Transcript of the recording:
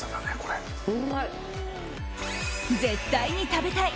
絶対に食べたい！